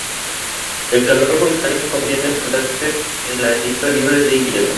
El calor volcánico mantiene el cráter en la isla libre de hielo.